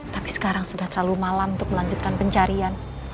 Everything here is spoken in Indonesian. tapi sekarang sudah terlalu malam untuk melanjutkan pencarian